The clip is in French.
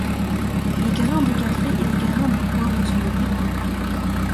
Les grains de café et les grains de poivre sont des pépins.